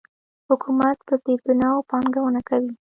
حکومت په زیربناوو پانګونه کوي.